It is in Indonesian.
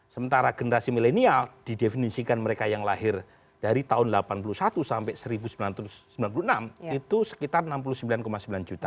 sementara generasi milenial didefinisikan mereka yang lahir dari tahun seribu sembilan ratus delapan puluh satu sampai seribu sembilan ratus sembilan puluh enam itu sekitar enam puluh sembilan sembilan juta